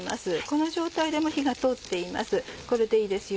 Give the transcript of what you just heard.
この状態で火が通っています